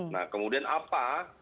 nah kemudian apa